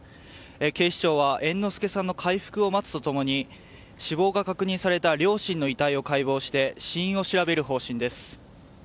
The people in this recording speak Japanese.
警視庁は猿之助さんの回復を待つと共に死亡が確認された両親の遺体を解剖して死因を調べる方針です。